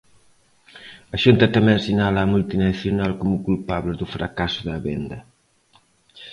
A Xunta tamén sinala á multinacional como culpable do fracaso da venda.